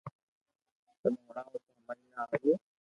تمو ھڻاويو تو ھمج ۾ آوئي